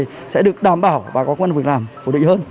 thì sẽ được đảm bảo và có quan hệ làm phổ định hơn